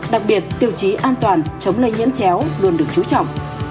đặc biệt tiêu chí an toàn chống lây nhiễm chéo luôn được chú trọng